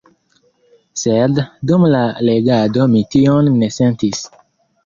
Sed dum la legado mi tion ne sentis.